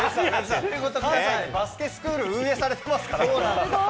バスケスクール運営されてますごい。